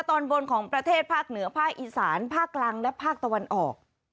ตอนบนของประเทศภาคเหนือภาคอีสานภาคกลางและภาคตะวันออก